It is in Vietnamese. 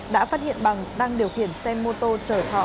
đã phát hiện bằng đang điều khiển xe mô tô chở thọ